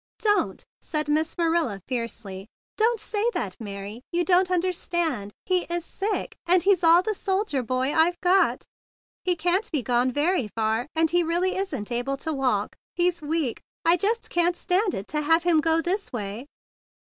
"Don't!" said Miss Marilla fiercely. "Don't say that, Mary! You don't un¬ derstand. He is sick , and he's all the soldier boy I've got; and I've got to go after him. He can't be gone very far, and he really isn't able to walk. He's weak. I just can't stand it to have him go this way."